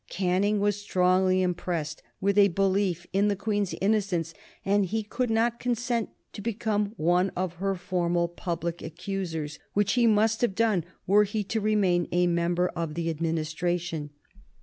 Canning was strongly impressed with a belief in the Queen's innocence and he could not consent to become one of her formal public accusers, which he must have done were he to remain a member of the administration.